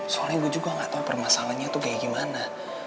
soalnya gue juga gak tau permasalahannya tuh kayak gimana